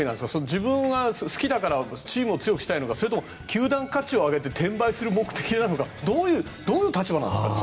自分は好きだからチームを強くしたいのかそれとも球団価値を上げて転売する目的なのかどういう立場なんですか？